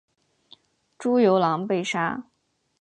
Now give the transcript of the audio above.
朱由榔被杀。